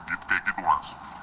kayak gitu mas